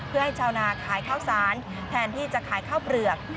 เพื่อให้ชาวนาขายข้าวสารแทนที่จะขายข้าวเปลือก